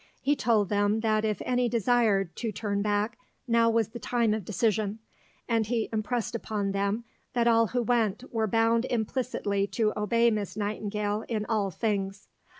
He told them that if any desired to turn back, now was the time of decision, and he impressed upon them that all who went were bound implicitly to obey Miss Nightingale in all things.